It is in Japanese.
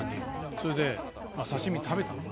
それで刺し身を食べた。